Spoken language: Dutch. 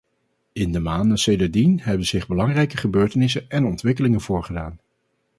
In de maanden sedertdien hebben zich belangrijke gebeurtenissen en ontwikkelingen voorgedaan.